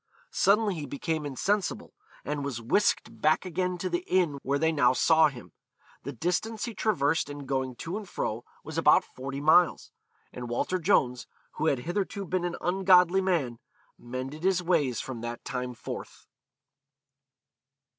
Suddenly he became insensible, and was whisked back again to the inn where they now saw him. The distance he traversed in going to and fro was about forty miles. And Walter Jones, who had hitherto been an ungodly man, mended his ways from that time forth.